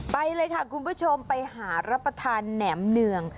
ไปเลยค่ะคุณผู้ชมไปหารับประทานแหนมเนือง